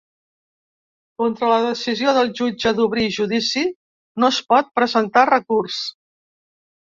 Contra la decisió del jutge d’obrir judici no es pot presentar recurs.